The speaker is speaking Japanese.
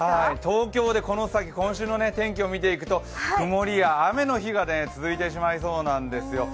東京でこの先今週の天気を見ていくと曇りや雨の日が続いてしまいそうなんですよ。